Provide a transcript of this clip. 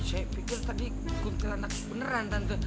saya pikir tadi kuntilanak beneran tentu